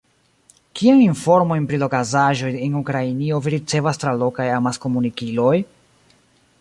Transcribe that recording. Kiajn informojn pri la okazaĵoj en Ukrainio vi ricevas tra lokaj amaskomunikiloj?